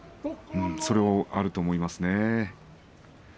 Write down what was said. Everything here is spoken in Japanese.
それはあると思いますね。